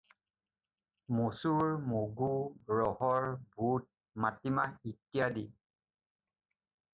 মচুৰ, মগু, ৰহৰ, বুট, মাটি মাহ ইত্যাদি।